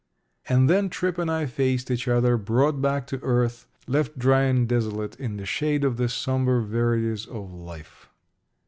And then Tripp and I faced each other, brought back to earth, left dry and desolate in the shade of the sombre verities of life.